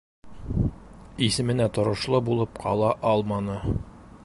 Исеменә торошло булып ҡала алманы.